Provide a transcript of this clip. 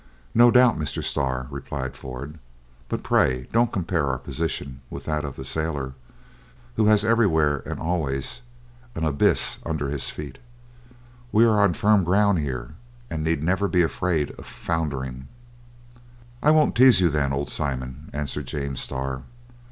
"No doubt, Mr. Starr," replied Ford; "but pray don't compare our position with that of the sailor, who has everywhere and always an abyss under his feet! We are on firm ground here, and need never be afraid of foundering." "I won't tease you, then, old Simon," answered James Starr.